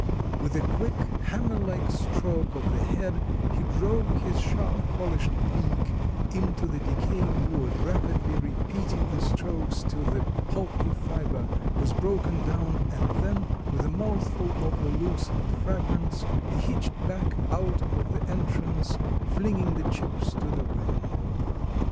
With a quick hammer like stroke of the head, he drove his sharp polished beak into the decaying wood, rapidly repeating the strokes till the pulpy fiber was broken down and then with a mouthful of the loosened fragments, he hitched back out of the entrance, flinging the chips to the wind.